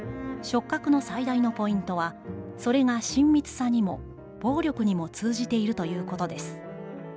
「触覚の最大のポイントは、それが親密さにも、暴力にも通じているということです。